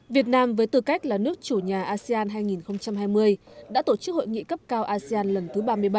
việt nam với tư cách là nước chủ nhà asean hai nghìn hai mươi đã tổ chức hội nghị cấp cao asean lần thứ ba mươi bảy